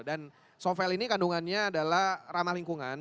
dan sovel ini kandungannya adalah ramah lingkungan